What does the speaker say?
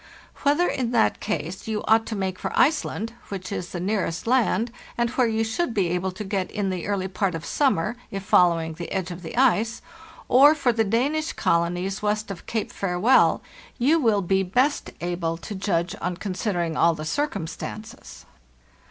Whether in that case you ought to make for Iceland (which is the nearest land, and where you should be able to get in the early part of summer, if following the edge of the ice), or for the Danish colonies west of Cape Farewell, you will be best able to judge on considering all the circum stances.